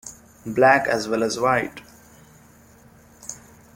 Black as well as white.